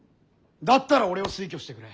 だったら俺を推挙してくれ！